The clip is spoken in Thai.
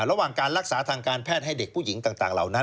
ระหว่างการรักษาทางการแพทย์ให้เด็กผู้หญิงต่างเหล่านั้น